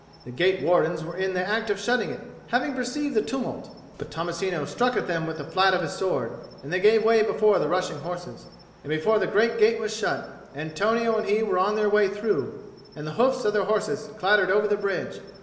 The gate wardens were in the act of shutting it, having perceived the tumult; but Tommasino struck at them with the flat of his sword, and they gave way before the rushing horses; and before the great gate was shut, Antonio and he were on their way through, and the hoofs of their horses clattered over the bridge.